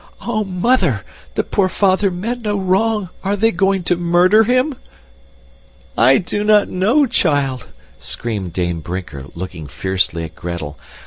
"Oh, Mother! The poor father meant no wrong. Are they going to MURDER him?" "I do not know, child," screamed Dame Brinker, looking fiercely at Gretel.